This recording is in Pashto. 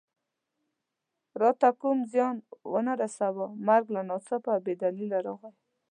راته کوم زیان و نه رساوه، مرګ ناڅاپه او بې دلیله راغی.